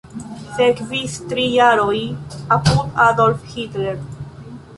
Sekvis tri jaroj apud Adolf Hitler.